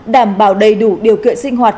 đảm bảo đầy đủ điều kiện sinh hoạt